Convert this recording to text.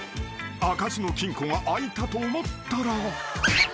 ［開かずの金庫が開いたと思ったら］